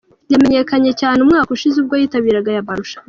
Yamenyekanye cyane umwaka ushize ubwo yitabiraga aya marushanwa.